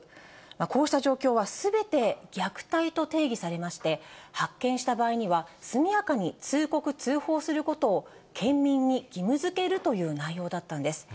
こうした状況はすべて虐待と定義されまして、発見した場合には速やかに通告・通報することを県民に義務づけるという内容だったんです。